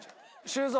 修造